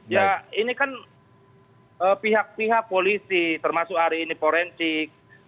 ya ini kan pihak pihak polisi termasuk hari ini forensik